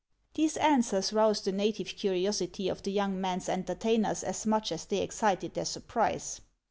These answers roused the native curiosity of the young man's entertainers as much as they excited their surprise.